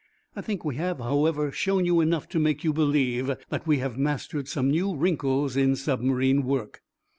I think we have, however, shown you enough to make you believe that we have mastered some new wrinkles in submarine work."